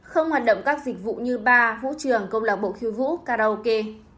không hoạt động các dịch vụ như bar vũ trường công lạc bộ khiêu vũ karaoke